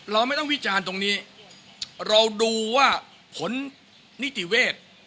เราไม่ต้องวิจารณ์ตรงนี้เราดูว่าผลนิติเวทย์